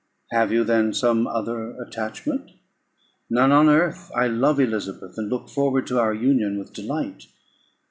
"Have you, then, some other attachment?" "None on earth. I love Elizabeth, and look forward to our union with delight.